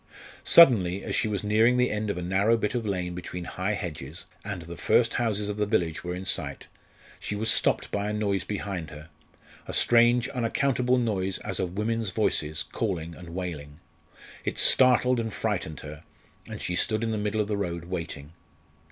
Suddenly as she was nearing the end of a narrow bit of lane between high hedges, and the first houses of the village were in sight, she was stopped by a noise behind her a strange unaccountable noise as of women's voices, calling and wailing. It startled and frightened her, and she stood in the middle of the road waiting.